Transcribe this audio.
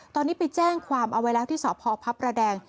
ตอนนี้ไปแจ้งความอวัยรักษณ์ที่สพพรดแดง